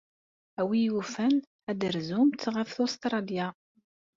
A win yufan ad terzumt ɣef Ustṛalya.